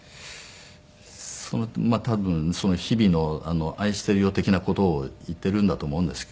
多分日々の「愛してるよ」的な事を言っているんだと思うんですけども。